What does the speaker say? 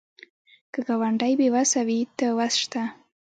که ګاونډی بې وسه وي، ته وس شه